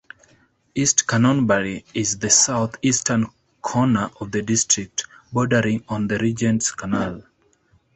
East Canonbury is the south-eastern corner of the district, bordering on the Regents Canal.